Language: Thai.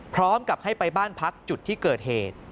พร้อมกับให้ไปบ้านพักจุดที่เกิดเหตุ